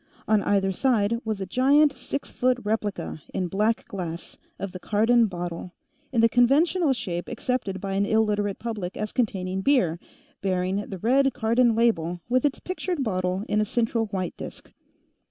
On either side was a giant six foot replica, in black glass, of the Cardon bottle, in the conventional shape accepted by an Illiterate public as containing beer, bearing the red Cardon label with its pictured bottle in a central white disk.